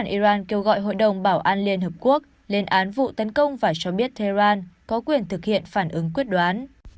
iran kêu gọi hội đồng bảo an liên hợp quốc lên án vụ tấn công và cho biết tehran có quyền thực hiện phản ứng quyết đoán